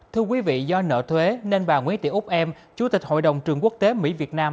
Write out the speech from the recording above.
thưa quý vị do nợ thuế nên bà nguyễn tị úc em chủ tịch hội đồng trường quốc tế mỹ việt nam